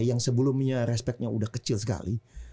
yang sebelumnya respectnya udah kecil sekali